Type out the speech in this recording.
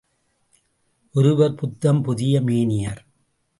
ஒருவர் புத்தம் புதிய மேனியர்.